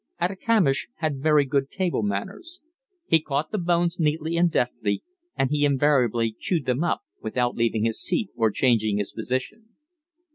Atikamish had very good table manners. He caught the bones neatly and deftly, and he invariably chewed them up without leaving his seat or changing his position.